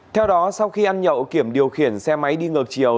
theo đó sau khi ăn nhậu kiểm điều khiển xe máy đi ngược chiều